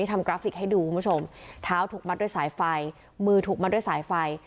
กราฟิกให้ดูคุณผู้ชมเท้าถูกมัดด้วยสายไฟมือถูกมัดด้วยสายไฟ